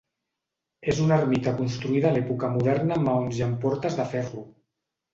És una ermita construïda a l’època moderna amb maons i amb portes de ferro.